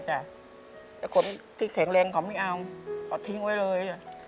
แต่คนแข็งแรงเขาไม่เอาถอดทิ้งไปเลย